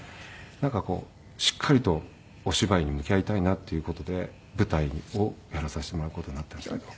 なんかこうしっかりとお芝居に向き合いたいなっていう事で舞台をやらさせてもらう事になったんですけど。